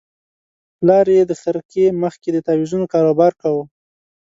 پلار یې د خرقې مخ کې د تاویزونو کاروبار کاوه.